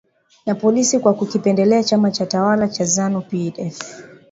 Na polisi kwa kukipendelea chama tawala cha Zanu PF